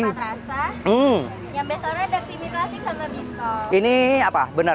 yang bestsellernya ada krimi klasik sama biskops